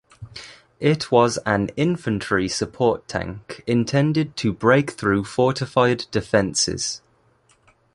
It was an infantry support tank intended to break through fortified defences.